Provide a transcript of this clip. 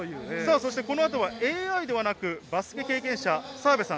そして、この後はＡＩではなくバスケ経験者、澤部さん。